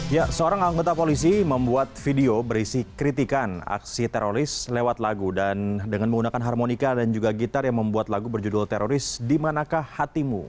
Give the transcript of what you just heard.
ya seorang anggota polisi membuat video berisi kritikan aksi teroris lewat lagu dan dengan menggunakan harmonika dan juga gitar yang membuat lagu berjudul teroris dimanakah hatimu